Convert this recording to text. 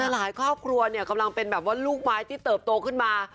หลายครอบครัวกำลังเป็นแบบว่าลูกไม้ที่เติบโตขึ้นมา